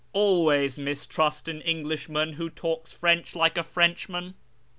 " Always mistrust an Englishman who talks French like a Frenchman."